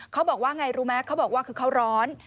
เขาบอกว่าไงรู้ไหมเขาบอกว่าคือเขาร้อน